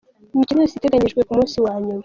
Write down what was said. Imikino yose iteganyijwe ku munsi wa nyuma:.